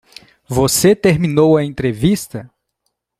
Você terminou a entrevista?